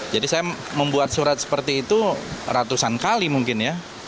saya membuat surat seperti itu ratusan kali mungkin ya